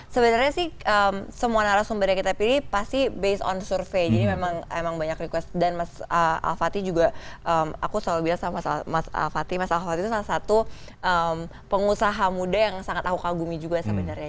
sebenarnya sih semua narasumber yang kita pilih pasti based on survey jadi memang banyak request dan mas al fatih juga aku selalu bilang sama mas al fatih mas al khati itu salah satu pengusaha muda yang sangat aku kagumi juga sebenarnya